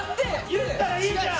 言ったらいいじゃん！